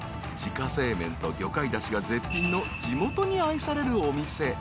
［自家製麺と魚介だしが絶品の地元に愛されるお店］